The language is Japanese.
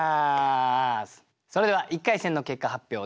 それでは１回戦の結果発表です。